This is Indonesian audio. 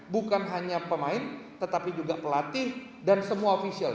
bukan hanya pemain tetapi juga pelatih dan semua ofisial